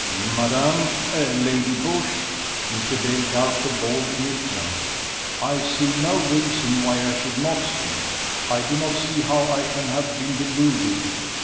"Madam ... Lady Busshe." Mr. Dale gulped a ball in his throat. "I see no reason why I should not speak. I do not see how I can have been deluded.